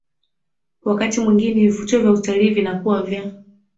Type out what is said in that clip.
Wakati mwingine vivutio vya utalii vinakuwa vya